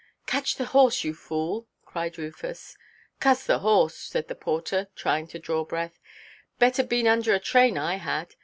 "Catch the horse, you fool!" cried Rufus. "Cuss the horse," said the porter, trying to draw breath; "better been under a train I had.